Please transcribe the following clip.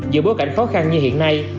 giữa bối cảnh khó khăn như hiện nay